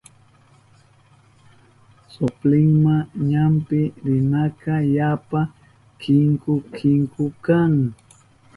Soplinma ñampi rinaka yapa kinku kinku kan.